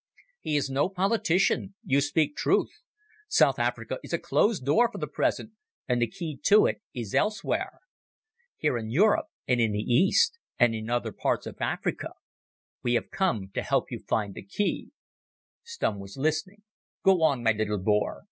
He is no politician. You speak truth. South Africa is a closed door for the present, and the key to it is elsewhere. Here in Europe, and in the east, and in other parts of Africa. We have come to help you to find the key." Stumm was listening. "Go on, my little Boer.